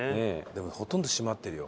でもほとんど閉まってるよ